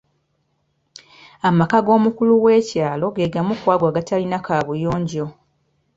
Amaka g'omukulu w'ekyalo ge gamu ku ago agatalina kaabuyonjo.